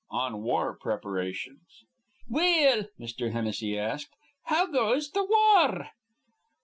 ON WAR PREPARATIONS "Well," Mr. Hennessy asked, "how goes th' war?"